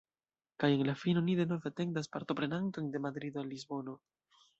Kaj en la fino ni denove atendas partoprenantojn de Madrido al Lisbono.